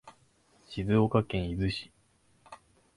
静岡県伊豆市